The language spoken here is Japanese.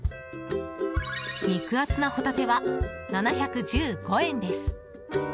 肉厚なホタテは７１５円です。